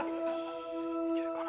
いけるかな。